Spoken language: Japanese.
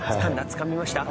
つかみました？